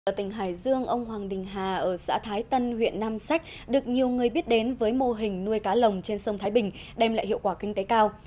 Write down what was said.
ở tỉnh hải dương ông hoàng đình hà ở xã thái tân huyện nam sách được nhiều người biết đến với mô hình nuôi cá lồng trên sông thái bình đem lại hiệu quả kinh tế cao